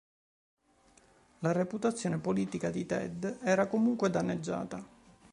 Le reputazione politica di Ted era comunque danneggiata.